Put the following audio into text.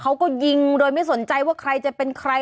เขาก็ยิงโดยไม่สนใจว่าใครจะเป็นใคร